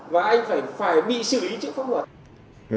và anh phải bị xử lý trước pháp luật